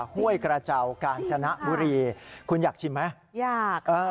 ห้วยกระเจ้ากาญจนบุรีคุณอยากชิมไหมอยาก